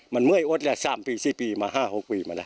มันเมื่อยอดแล้ว๓ปี๔ปีมา๕๖ปีมาแล้ว